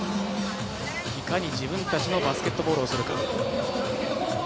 いかに自分たちのバスケットボールをするか。